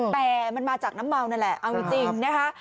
แต่มันมาจากน้ำเมานั่นแหละเอาจริงนะคะ